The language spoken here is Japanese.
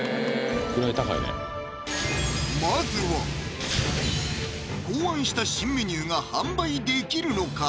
へぇまずは考案した新メニューが販売できるのか？